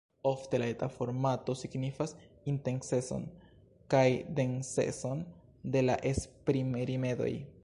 Ofte la eta formato signifas intensecon kaj densecon de la esprimrimedoj.